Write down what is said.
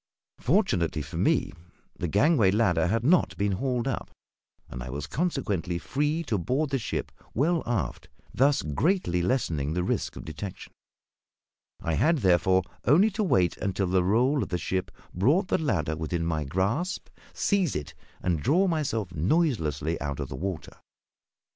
Fortunately for me, the gangway ladder had not been hauled up, and I was consequently free to board the ship well aft, thus greatly lessening the risk of detection; I had, therefore, only to wait until the roll of the ship brought the ladder within my grasp, seize it, and draw myself noiselessly out of the water.